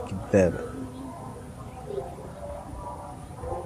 وَكَذَّبُوا بِآيَاتِنَا كِذَّابًا